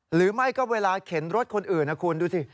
หรือไม่ก็เวลาเข็นรถคนอื่นนะคุณดูสิ